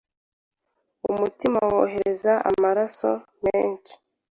umutima wohereza amaraso menshi